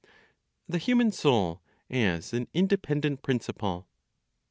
THE HUMAN SOUL AS AN INDEPENDENT PRINCIPLE.